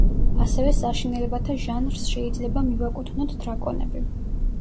ასევე საშინელებათა ჟანრს შეიძლება მივაკუთვნოთ დრაკონები.